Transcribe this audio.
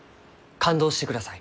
勘当してください。